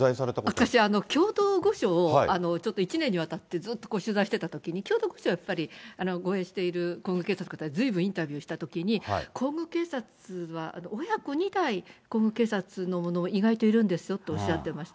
私、京都御所を、ちょっと１年にわたって、ずっと取材してたときに、京都御所はやっぱり、護衛している皇宮警察の方、ずいぶんインタビューしたときに、皇宮警察は、親子２代、皇宮警察の者も意外といるんですよとおっしゃってました。